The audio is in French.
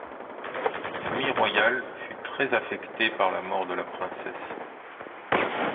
La famille royale fut très affectée par la mort de la princesse.